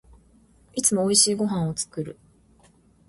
いつも美味しいご飯を作る